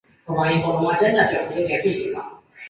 马家台汉墓的历史年代为汉。